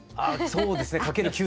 そうですね。